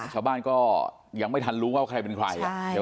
ชาวบ้านก็ยังไม่ทันรู้ว่าใครเป็นใคร